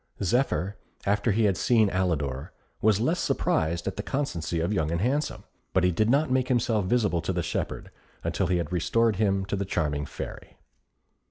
Zephyr, after he had seen Alidor, was less surprised at the constancy of Young and Handsome; but he did not make himself visible to the shepherd until he had restored him to the charming Fairy.